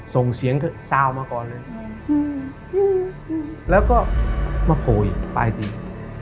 ส่งเสียงซาวมาก่อนเลยแล้วก็มาโผล่อีกปลายที